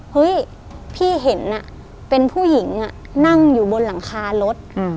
เฮ้ยพี่เห็นเป็นผู้หญิงนั่งอยู่บนหลังคารถ